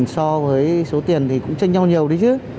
so với số tiền thì cũng chênh nhau nhiều đi chứ